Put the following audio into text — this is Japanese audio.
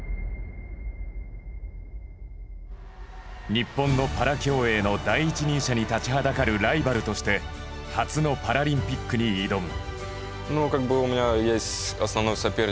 日本のパラ競泳の第一人者に立ちはだかるライバルとして初のパラリンピックに挑む。